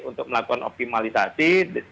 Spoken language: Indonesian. untuk melakukan optimalisasi